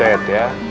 hidup butet ya